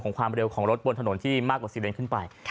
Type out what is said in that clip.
ความเร็วของรถบนถนนที่มากกว่า๔เลนขึ้นไป